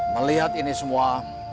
melihat ini semua